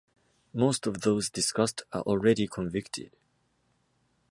Most of those discussed are already convicted.